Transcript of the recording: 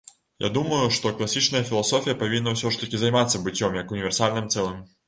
Я думаю, што класічная філасофія павінна ўсё ж такі займацца быццём як універсальным цэлым.